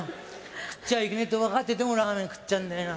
食っちゃいけねえと分かっててもラーメン食っちゃうんだよな